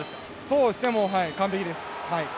そうですね、完璧です。